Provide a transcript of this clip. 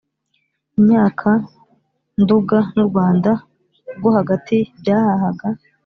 imyaka Nduga n u Rwanda rwo hagati byahahaga